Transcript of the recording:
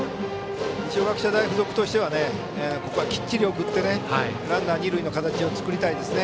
二松学舎大付属としてはここはきっちりと送ってランナー、二塁の形を作りたい。